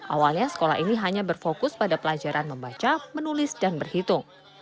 awalnya sekolah ini hanya berfokus pada pelajaran membaca menulis dan berhitung